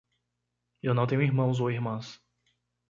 Eu não tenho irmãos ou irmãs.